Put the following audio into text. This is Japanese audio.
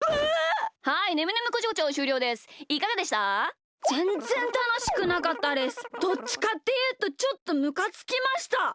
どっちかっていうとちょっとむかつきました。ですよね。